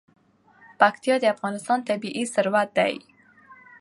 پکتیکا د افغانستان طبعي ثروت دی.